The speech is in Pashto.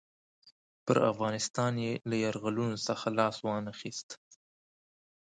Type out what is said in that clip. پر افغانستان یې له یرغلونو څخه لاس وانه خیست.